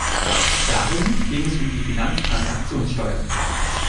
Darin ging es um die Finanztransaktionssteuer.